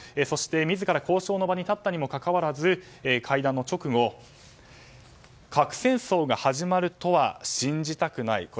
そして自ら交渉の場に立ったにもかかわらず会談の直後、核戦争が始まるとは信じたくない。